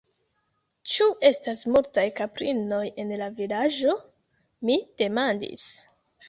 Ĉu estas multaj kaprinoj en la Vilaĝo? mi demandis.